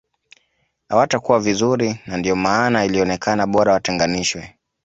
Hawatakua vizuri na ndio maana ilionekana bora watenganishwe